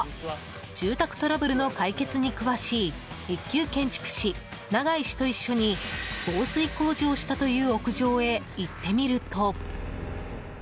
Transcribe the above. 住宅トラブルの解決に詳しい１級建築士・長井氏と一緒に防水工事をしたという屋上へ行ってみると。